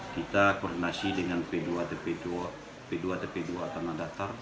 kita koordinasi dengan p dua tp dua tanah datar